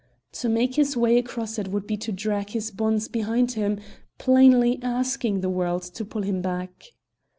To make his way across it would be to drag his bonds behind him, plainly asking the world to pull him back.